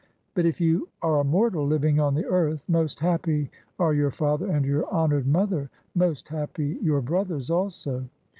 But if you are a mortal living on the earth, most happy are your father and your honored mother, most happy your brothers also.